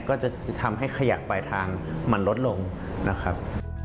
ก็จะทำให้ขยะปลายทางมันลดลงนะครับ